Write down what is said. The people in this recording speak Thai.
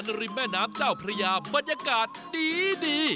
ริมแม่น้ำเจ้าพระยาบรรยากาศดี